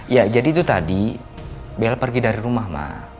ya jadi tuh tadi bella pergi dari rumah ma